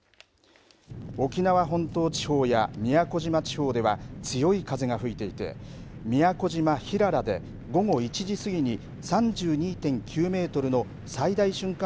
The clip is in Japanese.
沖縄本島地方や宮古島地方では強い風が吹いていて宮古島平良で午後１時過ぎに３２．９メートルの最大瞬間